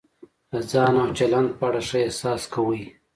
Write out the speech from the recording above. د ځان او چلند په اړه ښه احساس کوئ.